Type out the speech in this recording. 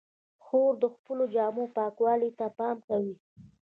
خور د خپلو جامو پاکوالي ته پام کوي.